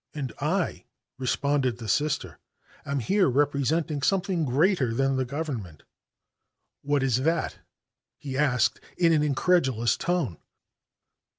"And I," responded the Sister, "am here representing something greater than the Government." "What is that?" he asked in an incredulous tone.